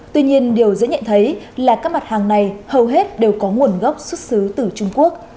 tuy nhiên điều dễ nhận thấy là các mặt hàng này hầu hết đều có nguồn gốc xuất xứ từ trung quốc